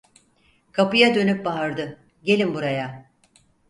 Kapıya dönüp bağırdı: 'Gelin buraya!